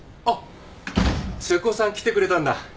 あっ瀬古さん来てくれたんだ。